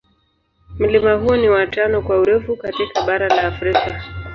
Mlima huo ni wa tano kwa urefu katika bara la Afrika.